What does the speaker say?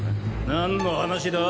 何の話だ？